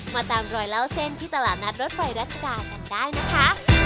ตามรอยเล่าเส้นที่ตลาดนัดรถไฟรัชดากันได้นะคะ